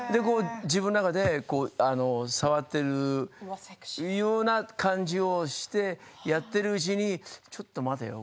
自分の中で、触っているそのような感じにしてやっているうちにちょっと待てよ